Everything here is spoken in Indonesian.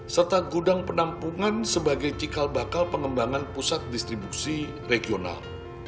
serta gudang penampungan sebagai cikal bakal pengembangan pusat distribusi regional